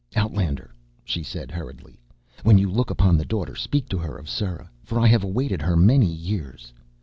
"Outlander," she said hurriedly, "when you look upon the Daughter speak to her of Sera, for I have awaited her many years."